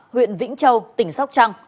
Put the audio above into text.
huyện vĩnh châu tỉnh sóc trăng